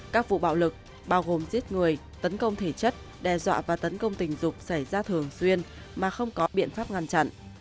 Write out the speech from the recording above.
các vụ bạo lực bao gồm giết người tấn công thể chất đe dọa và tấn công tình dục xảy ra thường xuyên mà không có biện pháp ngăn chặn